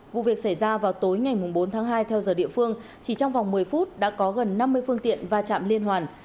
vụ việc xảy ra vào tối ngày bốn tháng hai theo giờ địa phương chỉ trong vòng một mươi phút đã có gần năm mươi phương tiện va chạm liên hoàn